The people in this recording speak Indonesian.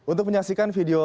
untuk penyaksikan video